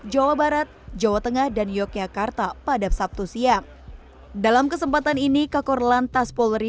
jawa barat jawa tengah dan yogyakarta pada sabtu siang dalam kesempatan ini kakor lantas polri